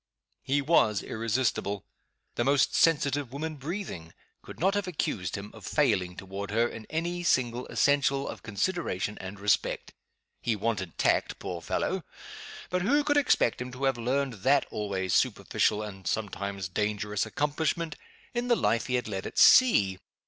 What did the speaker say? He was irresistible. The most sensitive woman breathing could not have accused him of failing toward her in any single essential of consideration and respect. He wanted tact, poor fellow but who could expect him to have learned that always superficial (and sometimes dangerous) accomplishment, in the life he had led at sea?